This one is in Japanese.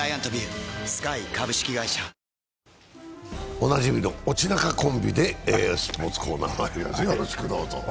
おなじみのオチナカコンビでスポーツコーナ−まいります。